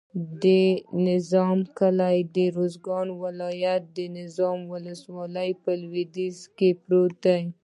د نظام کلی د نیمروز ولایت، نظام ولسوالي په لویدیځ کې پروت دی.